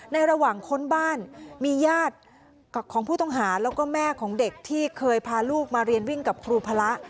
ระหว่างค้นบ้านมีญาติของผู้ต้องหาแล้วก็แม่ของเด็กที่เคยพาลูกมาเรียนวิ่งกับครูพระ